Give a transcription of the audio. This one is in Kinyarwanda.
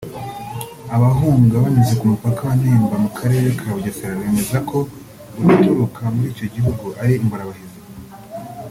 Abahunga banyuze ku mupaka wa Nemba mu Karere ka Bugesera bemezaga ko guturuka muri icyo gihugu ari ingorabahizi